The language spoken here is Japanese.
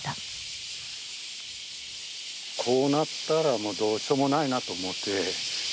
こうなったらもうどうしようもないなと思って。